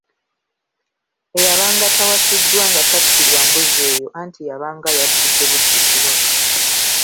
Eyabanga tawasiddwa nga tattirwa mbuzi eyo anti yabanga yadduse buddusi waka.